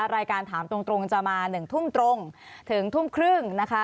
รายการถามตรงจะมา๑ทุ่มตรงถึงทุ่มครึ่งนะคะ